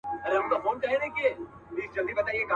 شاهینان وه چي کوترې یې خوړلې.